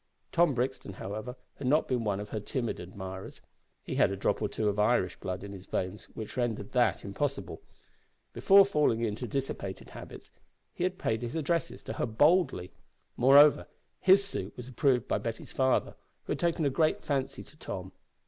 Tom Brixton, however, had not been one of her timid admirers. He had a drop or two of Irish blood in his veins which rendered that impossible! Before falling into dissipated habits he had paid his addresses to her boldly. Moreover, his suit was approved by Betty's father, who had taken a great fancy to Tom.